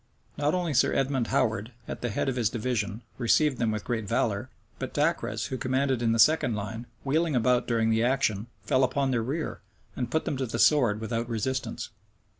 Not only Sir Edmond Howard, at the head of his division, received them with great valor, but Dacres, who commanded in the second line, wheeling about during the action, fell upon their rear, and put them to the sword without resistance.